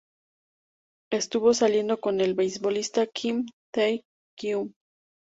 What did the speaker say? Estuvo saliendo con el beisbolista Kim Tae-Kyun.